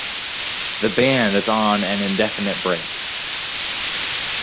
The band is on an indefinite break.